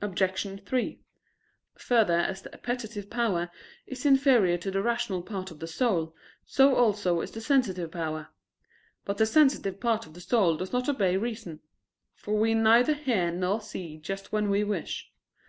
Obj. 3: Further, as the appetitive power is inferior to the rational part of the soul, so also is the sensitive power. But the sensitive part of the soul does not obey reason: for we neither hear nor see just when we wish.